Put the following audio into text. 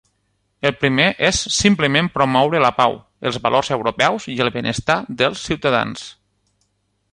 El primer és simplement promoure la pau, els valors europeus i el benestar dels ciutadans.